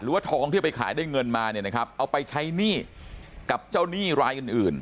ว่าทองที่เอาไปขายได้เงินมาเนี่ยนะครับเอาไปใช้หนี้กับเจ้าหนี้รายอื่นอื่น